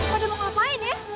mereka mau ngapain ya